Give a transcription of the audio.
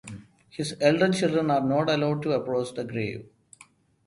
His elder children are not allowed to approach the grave.